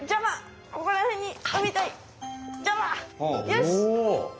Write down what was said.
よし！